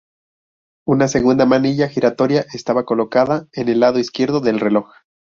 Una segunda manilla giratoria estaba colocada en el lado izquierdo del reloj.